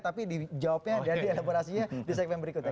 tapi jawabnya dari elaborasinya di segmen berikutnya